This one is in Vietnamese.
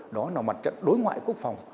đó là mặt trận đối ngoại quốc phòng